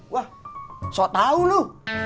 wah sok tau lo